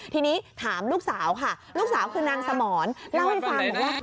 ทีนี้ถามลูกสาวค่ะลูกสาวคือนางสมรเล่าให้ฟังบอกว่า